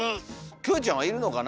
キョエちゃんはいるのかな？